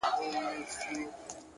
هره ورځ د نوي درس فرصت لري؛